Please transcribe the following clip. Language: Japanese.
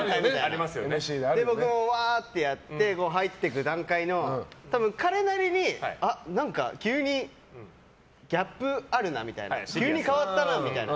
あれをわーってやって入っていく段階で多分、彼なりにあ、急にギャップあるなみたいな急に変わったなみたいな。